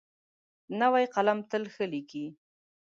نوی قلم تل ښه لیکي.